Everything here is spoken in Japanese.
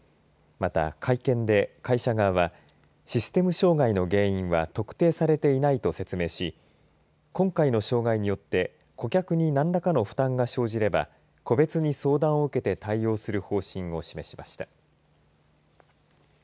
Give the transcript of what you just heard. また会見で会社側はシステム障害の原因は特定されていないと説明し今回の障害によって顧客に何らかの負担が生じれば個別に相談を受けて対応する方針を示しました。